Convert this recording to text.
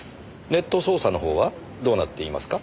ネット捜査の方はどうなっていますか？